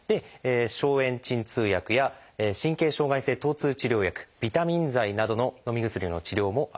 消炎鎮痛薬や神経障害性とう痛治療薬ビタミン剤などののみ薬の治療もあります。